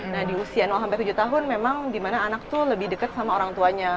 nah di usia tujuh tahun memang dimana anak tuh lebih dekat sama orang tuanya